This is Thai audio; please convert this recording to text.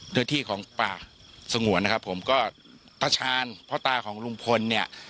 โดยที่ของป่าสงวนนะครับผมก็ตะชาญพ่อตาของลุงพลเนี่ย